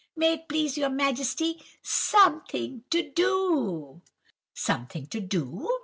"'May it please your Majesty, something to do.' "'Something to do?